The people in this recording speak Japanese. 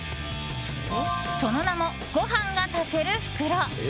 その名も、ご飯が炊ける袋。